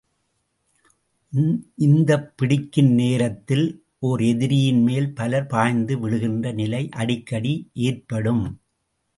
இந்த பிடிக்கும் நேரத்தில், ஒர் எதிரியின் மேல் பலர் பாய்ந்து விழுகின்ற நிலை அடிக்கடி ஏற்படும்.